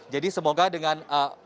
jadi semoga dengan